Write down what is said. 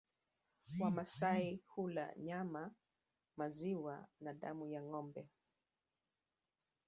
Wamasai hula nyama maziwa na damu ya ngombe